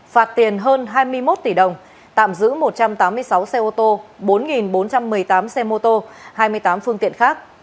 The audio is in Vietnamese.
phạt tiền hơn hai mươi một tỷ đồng tạm giữ một trăm tám mươi sáu xe ô tô bốn bốn trăm một mươi tám xe mô tô hai mươi tám phương tiện khác